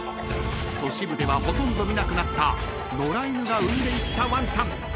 都市部ではほとんど見なくなった野良犬が産んでいったワンチャン。